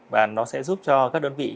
và nó sẽ giúp cho các đơn vị